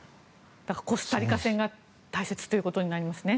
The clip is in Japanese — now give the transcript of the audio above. コスタリカ戦が大切ということになりますね。